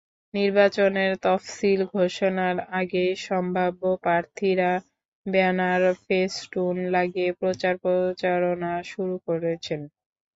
নির্বাচনের তফসিল ঘোষণার আগেই সম্ভাব্য প্রার্থীরা ব্যানার–ফেস্টুন লাগিয়ে প্রচার-প্রচারণা শুরু করেছেন।